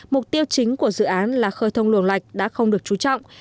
mục tiêu chính của dự án là khơi thông luồng lạch đã không được trú trọng